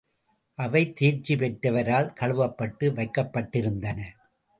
அவை தேர்ச்சி பெற்றவரால் கழுவப்பட்டு வைக்கப்பட்டிருந்தன.